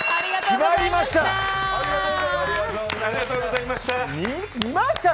決まりました！